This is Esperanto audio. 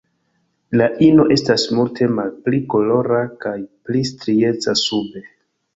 La ino estas multe malpli kolora kaj pli strieca sube.